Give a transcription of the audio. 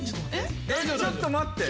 ちょっと待って。